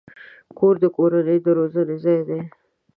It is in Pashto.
کور د کورنۍ د روزنې ځای دی.